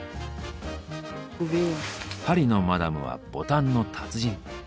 パリのマダムはボタンの達人。